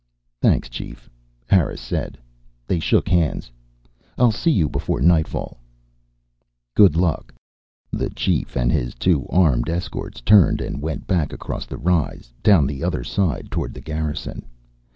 "Thanks, Chief," Harris said. They shook hands. "I'll see you before nightfall." "Good luck." The Chief and his two armed escorts turned and went back across the rise, down the other side toward the Garrison.